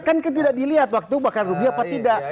kan tidak dilihat waktu bakal rugi apa tidak